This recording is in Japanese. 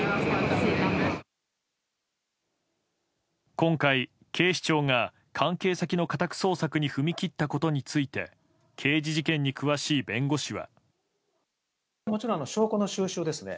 今回警視庁が関係先の家宅捜索に踏み切ったことについて刑事事件に詳しい弁護士は。